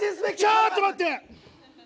ちょっと待って！